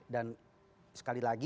dan sekali lagi